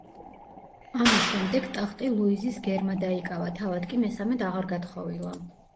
ამის შემდეგ ტახტი ლუიზის გერმა დაიკავა, თავად კი მესამედ აღარ გათხოვილა.